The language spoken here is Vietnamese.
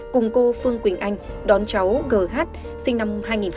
cùng cô phương quỳnh anh đón cháu gh sinh năm hai nghìn một mươi